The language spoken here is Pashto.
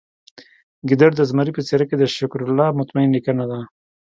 ګیدړ د زمري په څیره کې د شکرالله مطمین لیکنه ده